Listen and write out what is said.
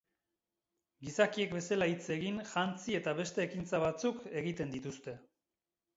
Gizakiek bezala hitz egin, jantzi eta beste ekintza batzuk egiten dituzte.